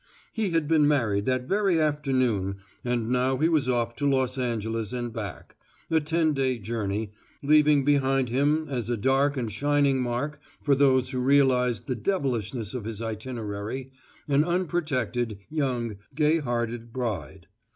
He had been married that very afternoon and now he was off to Los Angeles and back, a ten day journey, leaving behind him as a dark and shining mark for those who realized the devilishness of his itinerary an unprotected, young, gay hearted bride.